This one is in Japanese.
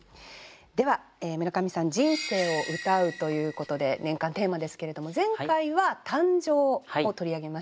では村上さん「人生を詠う」ということで年間テーマですけれども前回は「誕生」を取り上げました。